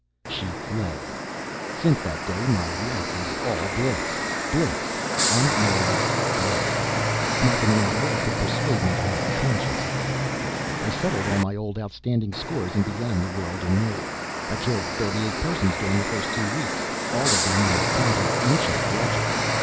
She fled. Since that day my life is all bliss. Bliss, unalloyed bliss. Nothing in all the world could persuade me to have a conscience again. I settled all my old outstanding scores, and began the world anew. I killed thirty eight persons during the first two weeks all of them on account of ancient grudges.